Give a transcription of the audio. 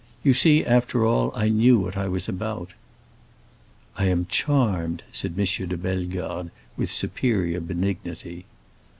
"You see after all, I knew what I was about." "I am charmed!" said M. de Bellegarde, with superior benignity.